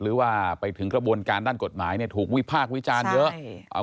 หรือว่าไปถึงกระบวนการด้านกฎหมายเนี่ยถูกวิพากษ์วิจารณ์เยอะ